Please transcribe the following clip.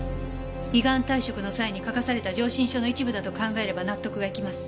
依願退職の際に書かされた上申書の一部だと考えれば納得がいきます。